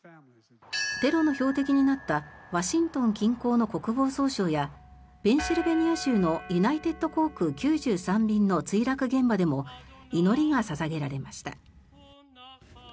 テロの標的になったワシントン近郊の国防総省やペンシルベニア州のユナイテッド航空９３便の墜落現場でも祈りが捧げられました。